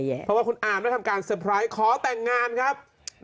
เพราะว่าคุณอามได้ทำการเซอร์ไพรส์ขอแต่งงานครับ